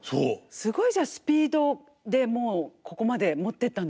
すごいスピードでもうここまで持っていったんですね。